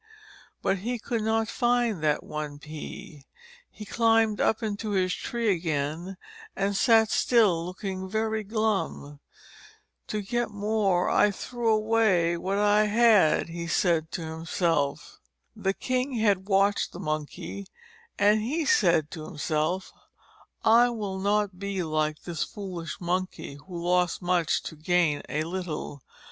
But he could not find that one pea. He climbed up into his tree again, and sat still looking very glum. "To get more, I threw away what I had," he said to himself. The king had watched the Monkey, and he said to himself: "I will not be like this foolish Monkey, who lost much to gain a little.